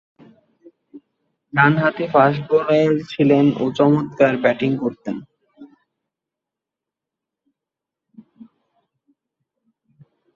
ডানহাতি fast bowler ছিলেন ও চমৎকার ব্যাটিং করতেন তিনি।